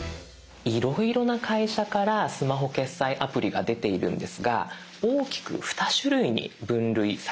いろいろな会社からスマホ決済アプリが出ているんですが大きく二種類に分類されます。